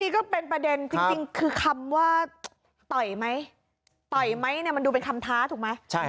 นี่ก็เป็นประเด็นจริงคือคำว่าต่อยไหมต่อยไหมเนี่ยมันดูเป็นคำท้าถูกไหม